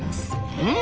うん！